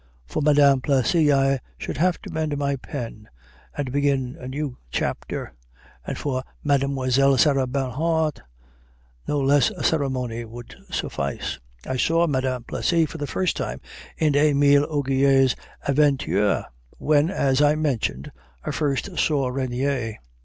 For Madame Plessy I should have to mend my pen and begin a new chapter; and for Mademoiselle Sarah Bernhardt no less a ceremony would suffice. I saw Madame Plessy for the first time in Émile Augier's "Aventurière," when, as I mentioned, I first saw Regnier.